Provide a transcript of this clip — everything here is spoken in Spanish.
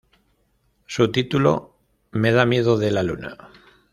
Su título: "Me da miedo de la luna".